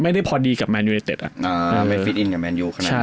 ไม่ฟิตอินกับแมนยูขนาดนั้น